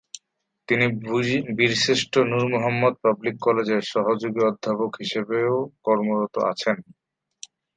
তিনি বীরশ্রেষ্ঠ নূর মোহাম্মদ পাবলিক কলেজের সহযোগী অধ্যাপক হিসেবেও কর্মরত আছেন।